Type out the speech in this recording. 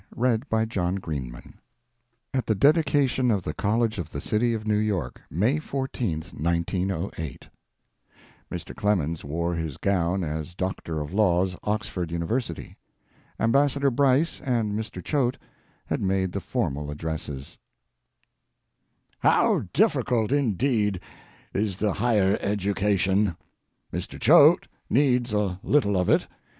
DEDICATION SPEECH AT THE DEDICATION OF THE COLLEGE OF THE CITY OF NEW YORK, MAY 14, 1908 Mr. Clemens wore his gown as Doctor of Laws, Oxford University. Ambassador Bryce and Mr. Choate had made the formal addresses. How difficult, indeed, is the higher education. Mr. Choate needs a little of it.